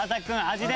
味で。